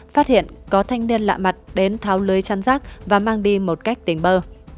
phát hiện có thanh niên lạ mặt đến tháo lưới chắn rác và mang đi một cách tỉnh bơ